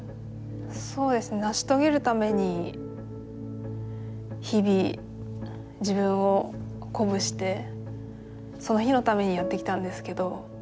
そうですね成し遂げるために日々自分を鼓舞してその日のためにやってきたんですけど